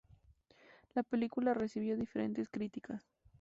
La película recibió diferentes críticas.